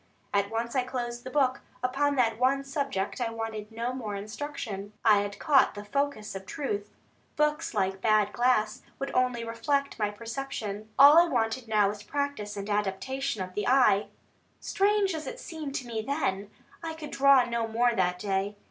At once I closed the book; upon that one subject I wanted no more instruction, I had caught the focus of truth. Books, like bad glass, would only refract my perception. All I wanted now was practice and adaptation of the eye. Strange as it seemed to me then, I could draw no more that day.